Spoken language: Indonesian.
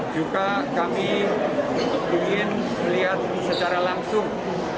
juga kami ingin melihat secara langsung